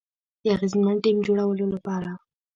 د اغیزمن ټیم جوړولو لپاره